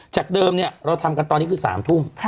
จากเดิมเราทำกันตอนนี้คือ๓ทุ่ม